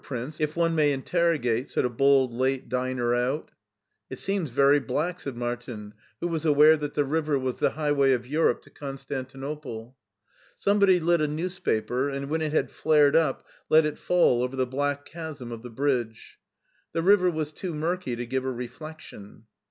Prince, if one may interrogate ?said a bold late diner out " It seems very black/' said Martin, who was aware that the river was the highway of Europe to Con stantinople. Somebody lit a newspaper, and when it had flared up let it fall over the black chasm of the bridge. The river was too murky to give a reflection.